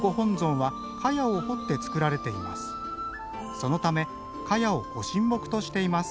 そのためカヤをご神木としています。